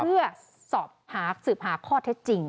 เพื่อสอบสืบหาข้อเท็จจริง